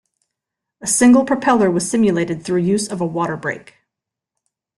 A single propeller was simulated through use of a water brake.